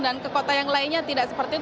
dan ke kota yang lainnya tidak seperti itu